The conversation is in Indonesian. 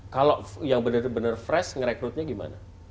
kalau yang benar benar fresh ngerekrutnya gimana